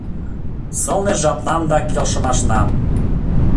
Сылне жапнам да келшымашнам